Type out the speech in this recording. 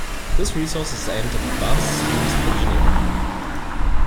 This resource is aimed at advanced students of engineering.